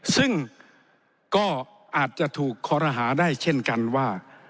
ซึ่งก็อาจจะถูกคอรหาได้เช่นกันว่า